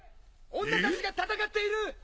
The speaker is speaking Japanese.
女たちが戦っている！